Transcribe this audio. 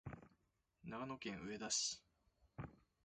長野県上田市